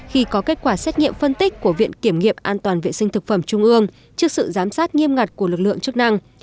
khi có kết quả xét nghiệm phân tích của viện kiểm nghiệm an toàn vệ sinh thực phẩm trung ương trước sự giám sát nghiêm ngặt của lực lượng chức năng